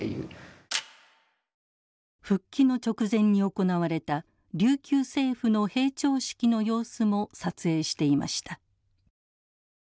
復帰の直前に行われた琉球政府の閉庁式の様子も撮影していました。